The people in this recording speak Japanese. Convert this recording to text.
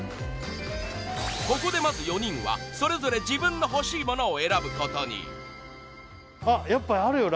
ここでまず４人はそれぞれ自分の欲しいものを選ぶことにあっやっぱりあるよ